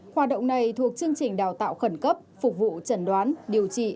hoạt động này thuộc chương trình đào tạo khẩn cấp phục vụ chẩn đoán điều trị